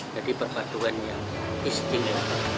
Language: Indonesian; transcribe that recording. jadi perbatuan yang istimewa